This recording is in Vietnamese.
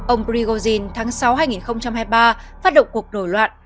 ông grigozin tháng sáu hai nghìn hai mươi ba phát động cuộc nổi loạn